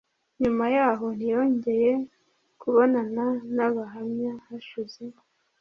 nyuma yaho ntiyongeye kubonana n Abahamya Hashize